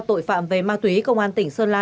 tội phạm về ma túy công an tỉnh sơn la